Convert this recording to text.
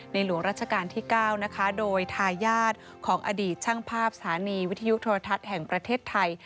หลวงราชการที่๙นะคะโดยทายาทของอดีตช่างภาพสถานีวิทยุโทรทัศน์แห่งประเทศไทย